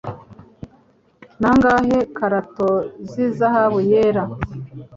Nangahe Karato Nizahabu Yera